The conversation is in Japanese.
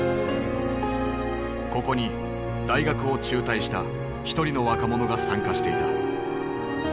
ここに大学を中退した一人の若者が参加していた。